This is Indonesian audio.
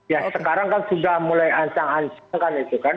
ya sekarang kan sudah mulai ancang ancang kan itu kan